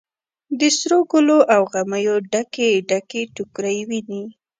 د سروګلو او غمیو ډکې، ډکې ټوکرۍ ویني